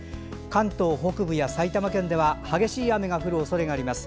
関東北部や埼玉県では激しい雨が降るおそれがあります。